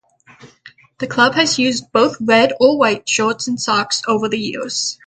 The club has used both red or white shorts and socks over the years.